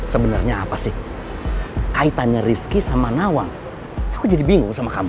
sebenarnya apa sih kaitannya rizky sama nawang aku jadi bingung sama kamu